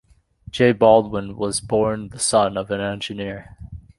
J. Baldwin was born the son of an engineer.